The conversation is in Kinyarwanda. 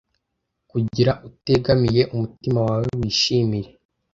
kugira utegamiye umutima wawe wishimire